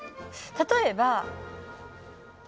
例えば。